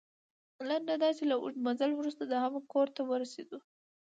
لنډه دا چې، له اوږده مزل وروسته د عمه کور ته ورسېدو.